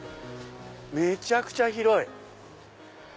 めちゃくちゃ広い！